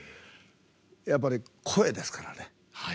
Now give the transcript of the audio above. やっぱり声ですからね。